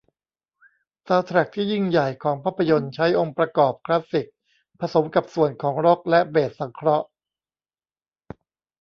ซาวด์แทร็กที่ยิ่งใหญ่ของภาพยนตร์ใช้องค์ประกอบคลาสสิคผสมกับส่วนของร็อคและเบสสังเคราะห์